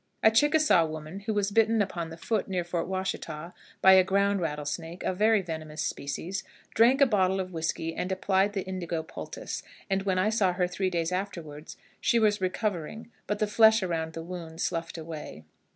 A Chickasaw woman, who was bitten upon the foot near Fort Washita by a ground rattlesnake (a very venomous species), drank a bottle of whisky and applied the indigo poultice, and when I saw her, three days afterward, she was recovering, but the flesh around the wound sloughed away.